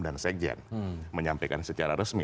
dan sekjen menyampaikan secara resmi